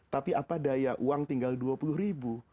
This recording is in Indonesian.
tapi apa daya uang tinggal dua puluh ribu